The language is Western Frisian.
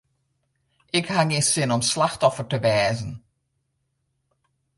Ik haw gjin sin om slachtoffer te wêze.